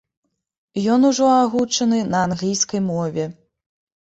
Ён ужо агучаны на англійскай мове.